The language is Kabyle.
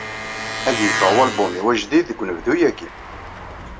"Ad yeffeɣ walbum-iw ajdid deg unebdu-agi".